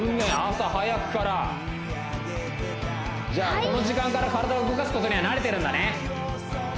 朝早くからじゃあこの時間から体を動かすことには慣れてるんだね